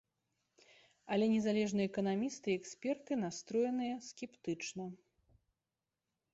Але незалежныя эканамісты і эксперты настроеныя скептычна.